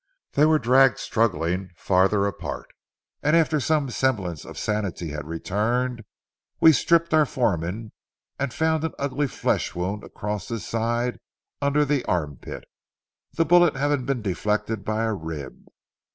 They were dragged struggling farther apart, and after some semblance of sanity had returned, we stripped our foreman and found an ugly flesh wound crossing his side under the armpit, the bullet having been deflected by a rib.